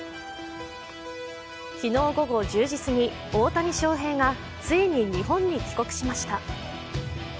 昨日午後１０時すぎ、大谷翔平がついに日本に帰国しました。